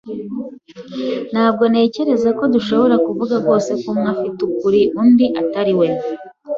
Ntabwo ntekereza ko dushobora kuvuga rwose ko umwe afite ukuri undi atari we.